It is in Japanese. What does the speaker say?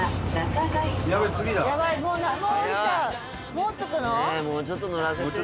もうちょっと乗らせてよ。